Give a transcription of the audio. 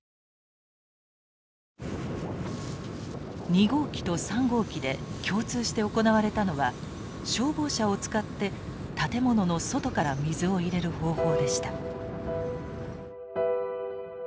２号機と３号機で共通して行われたのは消防車を使って建物の外から水を入れる方法でした。